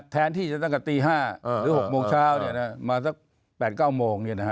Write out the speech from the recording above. แทนที่จะตั้งแต่ตี๕หรือ๖โมงเช้ามาสัก๘๙โมง